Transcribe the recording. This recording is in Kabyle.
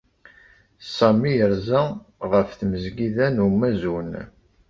Sami yerza ɣef Tmesgida n Umazun.